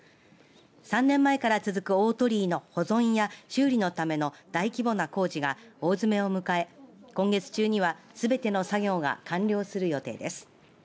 ３年前から続く大鳥居の保存や修理のための大規模な工事が大詰めを迎え今月中にはすべての作業が完了する予定です。